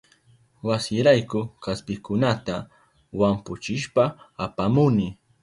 Wasirayku kaspikunata wampuchishpa apamuni.